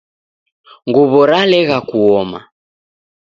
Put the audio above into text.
Nguw'o ralegha kuoma